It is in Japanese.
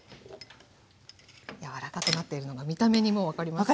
柔らかくなっているのが見た目にもう分かりますね。